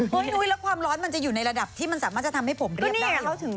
นุ้ยแล้วความร้อนมันจะอยู่ในระดับที่มันสามารถจะทำให้ผมเรียบได้